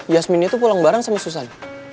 yasminnya itu pulang bareng sama susan